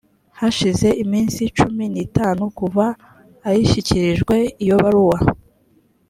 hashize iminsi cumi n itanu kuva ayishyikirijwe iyo baruwa